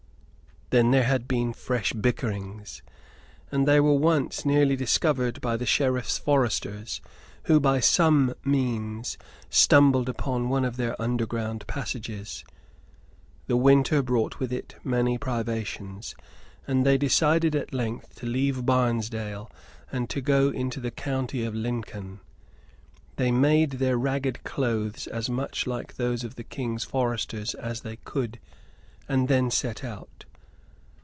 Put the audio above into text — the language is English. Then there had been fresh bickerings, and they were once nearly discovered by the Sheriff's foresters, who by some means stumbled upon one of their underground passages. The winter brought with it many privations; and they decided at length to leave Barnesdale and go into the county of Lincoln. They made their ragged clothes as much like those of the King's Foresters as they could and then set out.